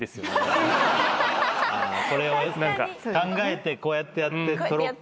それを考えてこうやってやって撮ろうか。